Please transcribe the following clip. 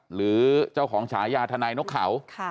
หรือเจ้าของฉายาทนายนกเขา